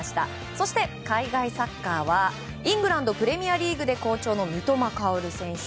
そして海外サッカーはイングランド・プレミアリーグで好調の三笘薫選手。